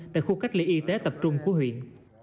tại khu cách ly y tế tập trung của huyện